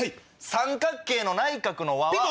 三角形の内角の和は？